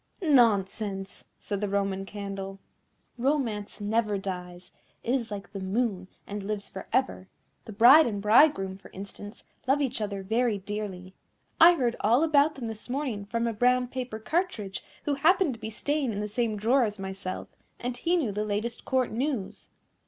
"Nonsense!" said the Roman Candle, "Romance never dies. It is like the moon, and lives for ever. The bride and bridegroom, for instance, love each other very dearly. I heard all about them this morning from a brown paper cartridge, who happened to be staying in the same drawer as myself, and he knew the latest Court news."